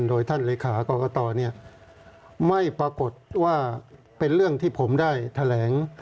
โดยท่านเลขากรกตไม่ปรากฏว่าเป็นเรื่องที่ผมได้แถลง